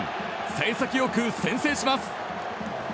幸先よく先制します。